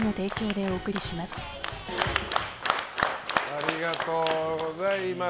ありがとうございます。